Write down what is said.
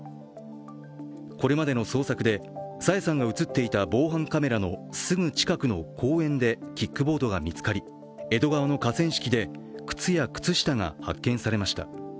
これまでの捜索で、朝芽さんが映っていた防犯カメラのすぐ近くの公園でキックボードが見つかり、江戸川の河川敷で靴や靴下が発見されました。